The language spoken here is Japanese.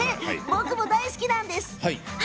僕も大好きです！